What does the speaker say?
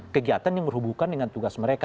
kegiatan yang berhubungan dengan tugas mereka